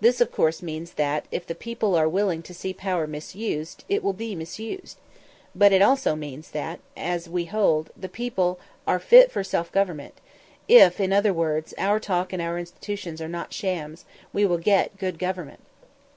This of course means that, if the people are willing to see power misused, it will be misused. But it also means that if, as we hold, the people are fit for self government if, in other words, our talk and our institutions are not shams we will get good government.